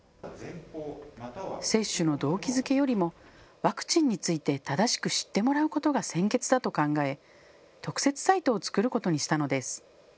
接種の動機づけよりもワクチンについて正しく知ってもらうことが先決だと考え、特設サイトを作ることにしたのです。